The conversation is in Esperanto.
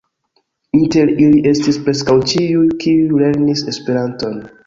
Inter ili estis preskaŭ ĉiuj, kiuj lernis Esperanton.